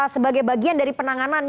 sebagai bagian dari penanganan